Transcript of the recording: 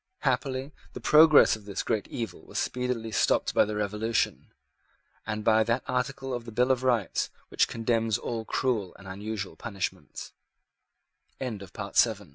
Happily the progress of this great evil was speedily stopped by the Revolution, and by that article of the Bill of Rights which condemns all cruel and unusual punis